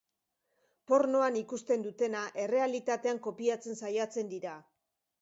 Pornoan ikusten dutena errealitatean kopiatzen saiatzen dira.